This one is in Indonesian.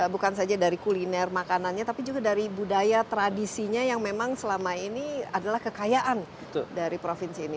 bukan saja dari kuliner makanannya tapi juga dari budaya tradisinya yang memang selama ini adalah kekayaan dari provinsi ini